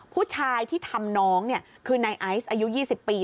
ผู้ชายที่ทำน้องเนี่ยคือในไอซ์อายุ๒๐ปี